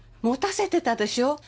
持たせてたでしょ。